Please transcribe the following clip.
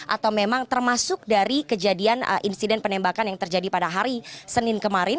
atau memang termasuk dari kejadian insiden penembakan yang terjadi pada hari senin kemarin